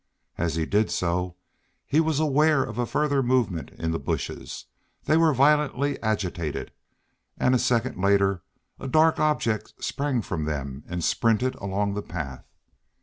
As he did so he was aware of a further movement in the bushes. They were violently agitated, and a second later a dark object sprang from them and sprinted along the path.